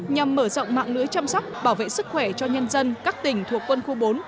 nhằm mở rộng mạng lưới chăm sóc bảo vệ sức khỏe cho nhân dân các tỉnh thuộc quân khu bốn